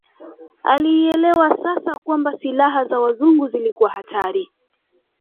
Alielewa sasa kwamba silaha za Wazungu zilikuwa hatari